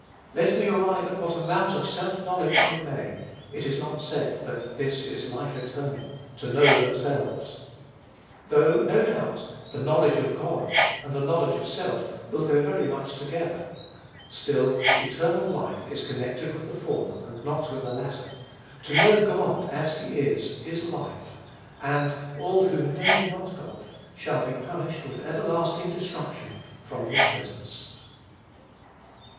Let me arrive at what amount of self knowledge I may, it is not said that "this is life eternal, to know themselves;" though, no doubt, the knowledge of God and the knowledge of self will go very much together; still, "eternal life" is connected with the former, and not with the latter. To know God as he is, is life; and "all who know not God" shall be "punished with everlasting destruction from his presence."